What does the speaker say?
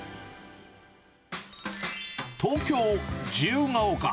東京・自由が丘。